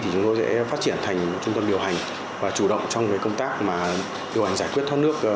chúng tôi sẽ phát triển thành trung tâm điều hành và chủ động trong công tác điều hành giải quyết thoát nước